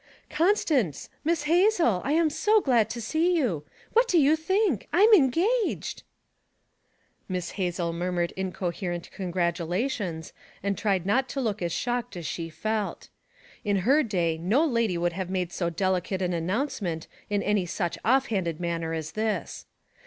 'Constance, Miss Hazel! I'm so glad to see you what do you think? I'm engaged!' Miss Hazel murmured incoherent congratulations, and tried not to look as shocked as she felt. In her day, no lady would have made so delicate an announcement in any such off hand manner as this.